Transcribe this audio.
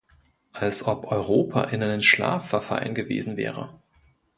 Als ob Europa in einen Schlaf verfallen gewesen wäre.